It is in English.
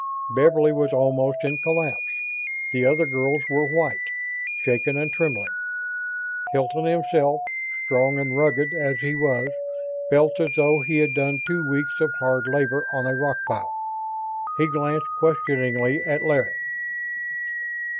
Beverly was almost in collapse. The other girls were white, shaken and trembling. Hilton himself, strong and rugged as he was, felt as though he had done two weeks of hard labor on a rock pile. He glanced questioningly at Larry.